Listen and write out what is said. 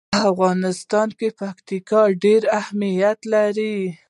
په افغانستان کې پکتیا ډېر اهمیت لري.